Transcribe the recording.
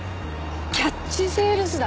キャッチセールスだ。